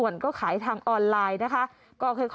น้ำป่าเสดกิ่งไม้แม่ระมาศ